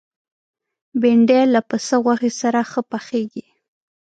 بېنډۍ له پسه غوښې سره ښه پخېږي